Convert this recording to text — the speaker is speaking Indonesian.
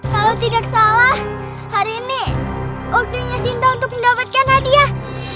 kalau tidak salah hari ini waktunya sinta untuk mendapatkan hadiah